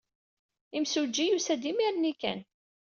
Imsujji yusa-d imir-nni kan.